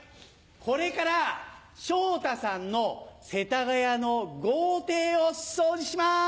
これから昇太さんの世田谷の豪邸を掃除します！